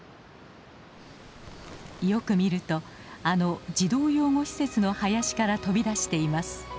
よく見るとあの児童養護施設の林から飛び出しています。